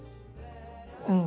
うん。